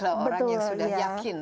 orang yang sudah yakin